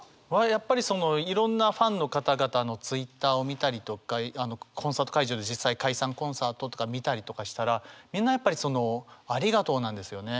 やっぱりそのいろんなファンの方々のＴｗｉｔｔｅｒを見たりとかコンサート会場で実際解散コンサートとか見たりとかしたらみんなやっぱりそのありがとうなんですよね。